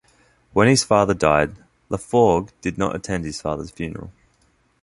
When his father died, Laforgue did not attend his father's funeral.